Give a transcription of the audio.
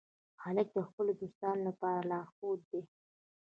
هلک د خپلو دوستانو لپاره لارښود دی.